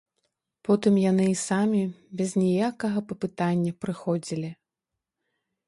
Потым яны і самі, без ніякага папытання, прыходзілі.